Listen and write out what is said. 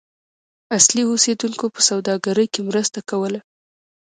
اصلي اوسیدونکو په سوداګرۍ کې مرسته کوله.